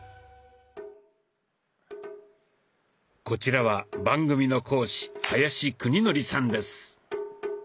こちらは番組の講師林久仁則さんです。